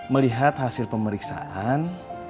melihat hasil pemeriksaan